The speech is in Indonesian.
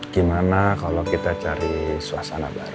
kenapa gak ada ketanya tanya sih